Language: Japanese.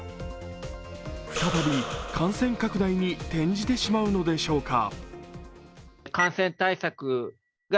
再び感染拡大に転じてしまうのでしょうか。